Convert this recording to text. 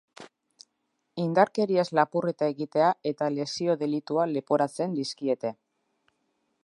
Indarkeriaz lapurreta egitea eta lesio delitua leporatzen dizkiete.